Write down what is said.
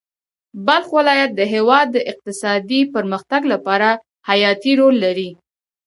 بلخ ولایت د هېواد د اقتصادي پرمختګ لپاره حیاتي رول لري.